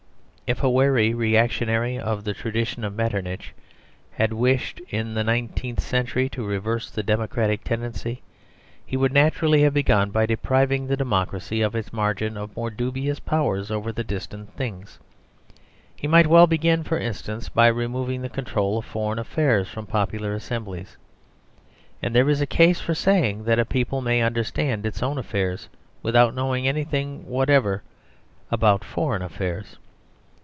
If a wary reactionary of the tradition of Metternich had wished in the nineteenth century to reverse the democratic tendency, he would naturally have begun by depriving the democracy of its margin of more dubious powers over more distant things. He might well begin, for instance, by removing the control of foreign affairs from popular assemblies; and there is a case for saying that a people may understand its own affairs, without knowing anything whatever about foreign affairs.